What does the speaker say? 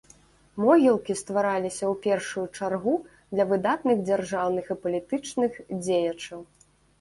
Могілкі ствараліся ў першую чаргу для выдатных дзяржаўны і палітычных дзеячаў.